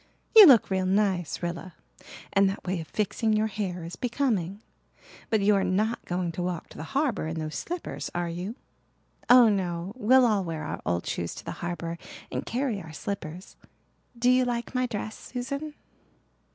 You look real nice, Rilla, and that way of fixing your hair is becoming. But you are not going to walk to the harbour in those slippers, are you?" "Oh, no. We'll all wear our old shoes to the harbour and carry our slippers. Do you like my dress, Susan?"